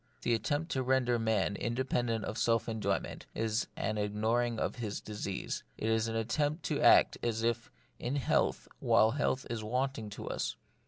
The attempt to render man independent of self enjoyment is an ignoring of his disease ; it is an attempt to act as if in health while health is wanting to us.